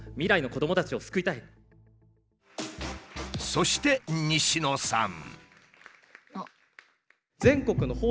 そして西野さん。